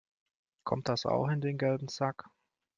Kommt das auch in den gelben Sack?